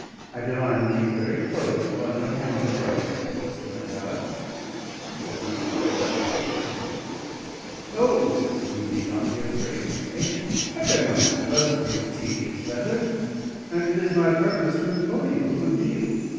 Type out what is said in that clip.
I divined these very clothes upon your hand of writing, Mr. Mackellar." At these words I fell to shaking. "O," says he, "you need not be afraid of me. I bear no malice for your tedious letters; and it is my purpose to employ you a good deal.